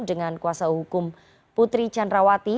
dengan kuasa hukum putri candrawati